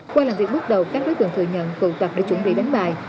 qua làm việc bước đầu các đối tượng thừa nhận tụ tập để chuẩn bị đánh bài